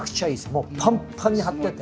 もうパンパンに張ってて。